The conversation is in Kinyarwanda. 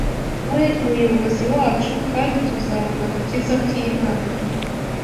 We muyobozi wacu, kandi tuzabona agakiza k’Imana.